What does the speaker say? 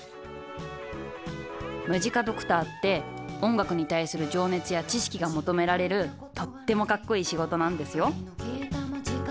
ムジカドクターって音楽に対する情熱や知識が求められるとってもかっこいい仕事なんですよ